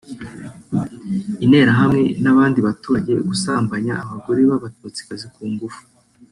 interahamwe n’abandi baturage gusambanya abagore b’abatutsikazi ku ngufu